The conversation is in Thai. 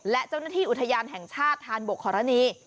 และเจ้าหน้าที่อุทยานแห่งชาติธานบกฮรณี